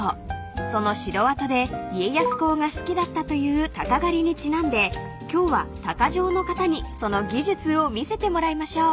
［その城跡で家康公が好きだったというタカ狩りにちなんで今日は鷹匠の方にその技術を見せてもらいましょう］